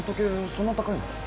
そんな高いの？